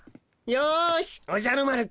よしおじゃる丸くん